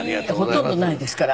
ほとんどないですから。